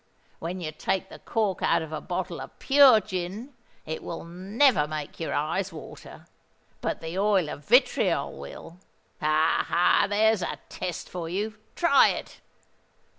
When you take the cork out of a bottle of pure gin, it will never make your eyes water: but the oil of vitriol will. Ha! ha! there's a test for you. Try it!